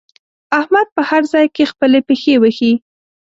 احمد په هر ځای کې خپلې پښې وهي.